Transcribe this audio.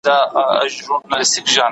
ملګرتيا بايد د وفادارۍ پر بنسټ وي.